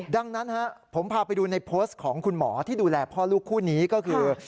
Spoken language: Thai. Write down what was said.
ดังนั้นผมพาไปดูในโพสต์ของคุณหมอที่ดูแลพ่อลูกคู่นี้ก็คือ